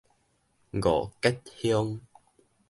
五結鄉